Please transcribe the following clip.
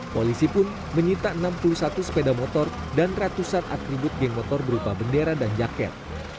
polisi pun menyita enam puluh satu sepeda motor dan ratusan atribut geng motor berupa bendera dan jaket